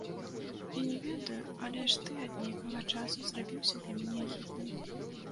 Я не ведаю, але ж ты ад нейкага часу зрабіўся для мяне агідным.